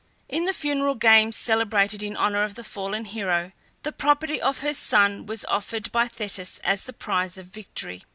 In the funereal games celebrated in honour of the fallen hero, the property of her son was offered by Thetis as the prize of victory.